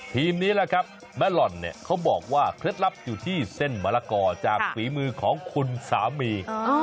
ทีมนี้แม่หล่อนเขาบอกว่าเคล็ดลับอยู่ที่เส้นมะละก่อจากฝีมือของคุณสามี